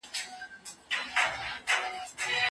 آیا په ښوونځیو کي د ځوانانو لپاره د رهبرۍ پروګرامونه سته؟